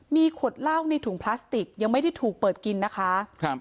มีขวดเหล้าในถุงพลาสติกยังไม่ได้ถูกเปิดกินนะคะครับ